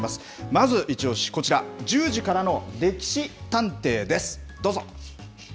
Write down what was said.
まず、一押し、こちら、１０時からの歴史探偵です。